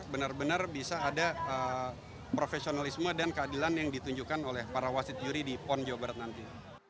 benar benar bisa ada profesionalisme dan keadilan yang ditunjukkan oleh para wasit juri di pon jawa barat nanti